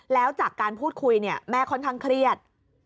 แล้วจากการพูดคุยแม่ค่อนข้างเครียด